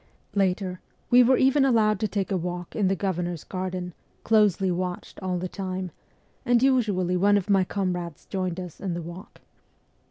Later, WESTERN EUROPE 275 we were even allowed to take a walk in the governor's garden, closely watched all the time, and usually one of my comrades joined us in the walk.